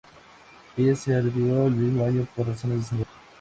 Ella se retiró el mismo año por razones de salud.